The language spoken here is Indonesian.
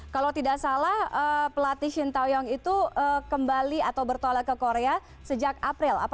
kalau tidak salah pelatih shin taeyong itu kembali atau bertolak ke korea sejak april